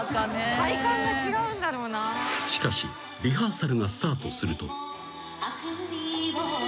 ［しかしリハーサルがスタートすると］